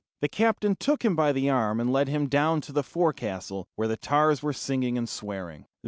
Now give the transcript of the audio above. The captain took him by the arm and led him down to the forecastle, where the tars were singing and swearing.